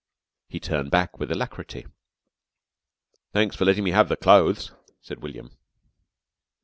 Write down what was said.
He turned back with alacrity. "Thanks for letting me have the clothes," said William.